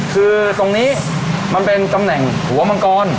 คือตรงนี้มันเป็นตำแหน่งหัวมังกร